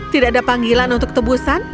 tidak ada panggilan untuk tebusan